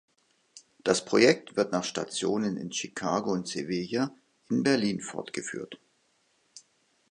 Das Projekt wird nach Stationen in Chicago und Sevilla in Berlin fortgeführt.